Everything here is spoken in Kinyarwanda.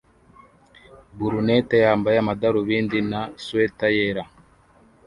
Brunette yambaye amadarubindi na swater yera